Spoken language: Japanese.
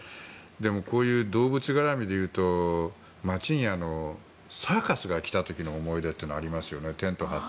でも、こういう動物絡みでいうと街にサーカスが来た時の思い出はありますよね。